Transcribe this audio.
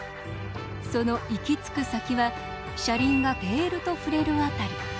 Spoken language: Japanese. その行き着く先は車輪がレールと触れる辺り。